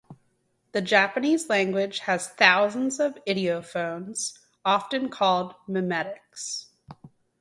The Japanese language has thousands of ideophones, often called "mimetics".